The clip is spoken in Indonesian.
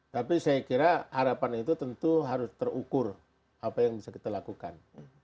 tapi saya kira harapan itu tentu harus terukur apa yang bisa kita lakukan